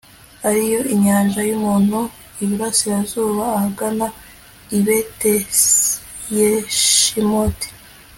ari yo inyanja y'umunyu, iburasirazuba, ahagana i betiyeshimoti